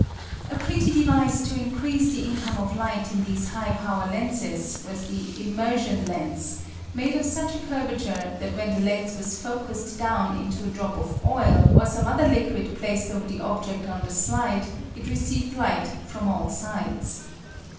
A pretty device to increase the income of light in these high power lenses was the "immersion lens," made of such a curvature that when the lens was f ocussed down into a drop of oil, or some other liquid, placed over the object on the slide, it received light from all sides.